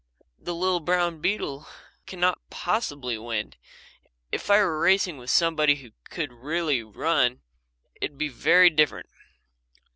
"The little brown beetle can not possibly win. If I were racing with somebody who could really run it would be very different."